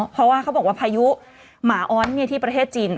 เพราะว่าเขาบอกว่าพายุหมาอ้อนที่ประเทศจีน